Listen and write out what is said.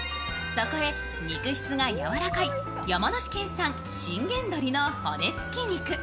そこへ肉質がやわらかい山梨県産信玄どりの骨つき鶏。